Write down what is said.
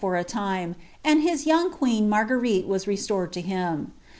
for a time, and hia ^Miit queen Marguerite was restored lo him.